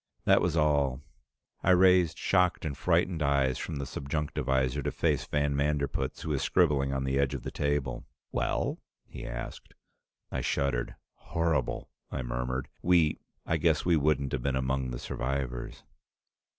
That was all. I raised shocked and frightened eyes from the subjunctivisor to face van Manderpootz, who was scribbling on the edge of the table. "Well?" he asked. I shuddered. "Horrible!" I murmured. "We I guess we wouldn't have been among the survivors."